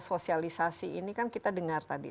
sosialisasi ini kan kita dengar tadi